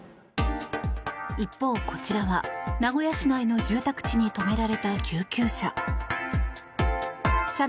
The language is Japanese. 一方、こちらは名古屋市内の住宅地に止められた救急車。